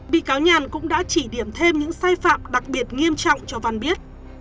bị cáo nhàn cũng đã chỉ điểm thêm những sai phạm đặc biệt nghiêm trọng cho văn biết